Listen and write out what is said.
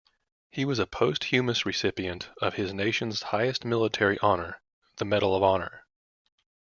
He was a posthumous recipient of his nation's highest military honor-the Medal of Honor.